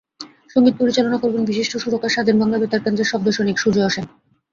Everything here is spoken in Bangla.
সংগীত পরিচালনা করবেন বিশিষ্ট সুরকার স্বাধীন বাংলা বেতারকেন্দ্রের শব্দসৈনিক সুজেয় শ্যাম।